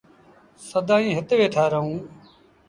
سدائيٚݩ هت ويٚٺآ رهون ۔